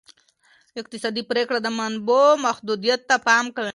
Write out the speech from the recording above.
اقتصادي پریکړې د منابعو محدودیت ته پام کوي.